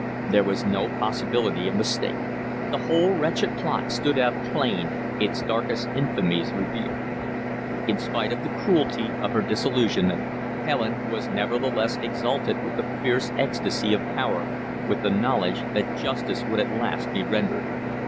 There was no possibility of mistake; the whole wretched plot stood out plain, its darkest infamies revealed. In spite of the cruelty of her disillusionment, Helen was nevertheless exalted with the fierce ecstasy of power, with the knowledge that justice would at last be rendered.